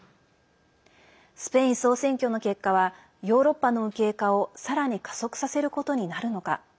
スペイン総選挙の結果はヨーロッパの右傾化をさらに加速させることになるのか。